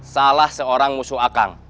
salah seorang musuh akang